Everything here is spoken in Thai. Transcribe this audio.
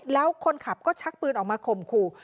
แล้วคนขับก็ชักปืนออกมาข่มขู่